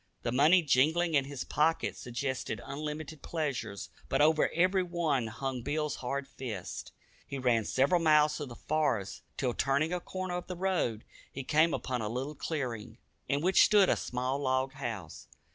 The money jingling in his pocket suggested unlimited pleasures, but over every one hung Bill's hard fist. He ran several miles through the forest, till, turning a corner of the road, he came upon a little clearing, in which stood a small log house.